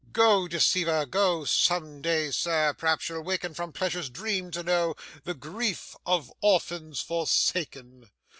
'Go, deceiver, go, some day, Sir, p'r'aps you'll waken, from pleasure's dream to know, the grief of orphans forsaken.